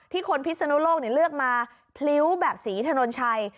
คนพิศนุโลกเลือกมาพลิ้วแบบศรีถนนชัย